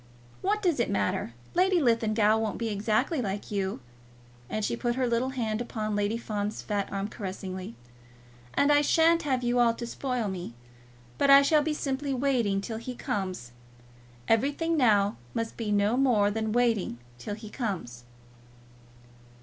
What does it matter? Lady Linlithgow won't be exactly like you," and she put her little hand upon Lady Fawn's fat arm caressingly, "and I sha'n't have you all to spoil me; but I shall be simply waiting till he comes. Everything now must be no more than waiting till he comes."